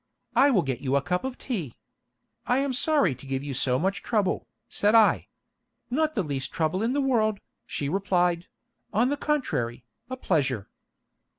I will get you a cup of tea." "I am sorry to give you so much trouble," said I. "Not the least trouble in the world," she replied; "on the contrary, a pleasure."